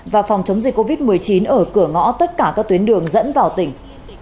và phòng chống dịch covid một mươi chín ở cửa ngõ tất cả các tuyến đường dẫn vào tỉnh